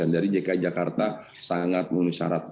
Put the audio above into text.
jadi dki jakarta sangat memusyarat